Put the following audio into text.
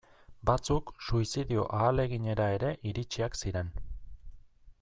Batzuk suizidio ahaleginera ere iritsiak ziren.